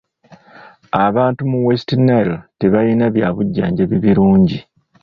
Abantu mu West Nile tebalina bya bujjanjabi birungi.